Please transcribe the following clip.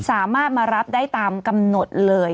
สามารถมารับได้ตามกำหนดเลย